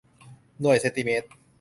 หน่วยเซนติเมตร